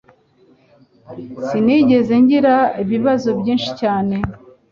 Sinigeze ngira ibibazo byinshi cyane